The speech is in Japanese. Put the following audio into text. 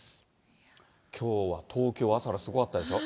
きょうは東京、朝からすごかったでしょ。